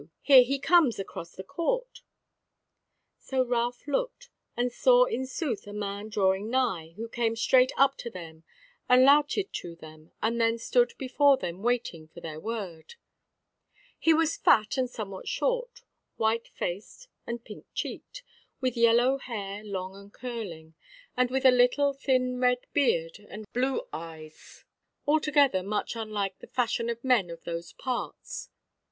here he comes across the court." So Ralph looked, and saw in sooth a man drawing nigh, who came straight up to them and lowted to them, and then stood before them waiting for their word: he was fat and somewhat short, white faced and pink cheeked, with yellow hair long and curling, and with a little thin red beard and blue eyes: altogether much unlike the fashion of men of those parts.